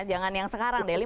jangan yang sekarang deh